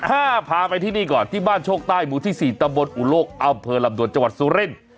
พาไปที่นี่ก่อนที่บ้านโชคใต้หมู่ที่๔ตำบลอุโลกอำเภอลำดวนจังหวัดสุรินทร์